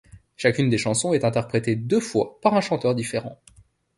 Chacune des chansons est interprétée deux fois par un chanteur différent.